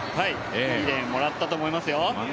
いいレーンもらったと思いますよ。